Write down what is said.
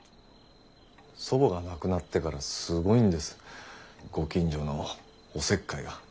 祖母が亡くなってからすごいんですご近所のお節介が。